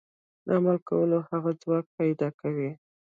د عمل کولو هغه ځواک پيدا کوي.